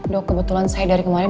dok kebetulan saya dari kemarin